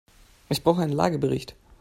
Ich brauche einen Lagebericht.